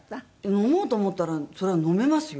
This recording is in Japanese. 飲もうと思ったらそりゃ飲めますよ。